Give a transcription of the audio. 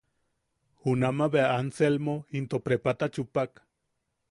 Junama bea Anselmo into prepata chupak.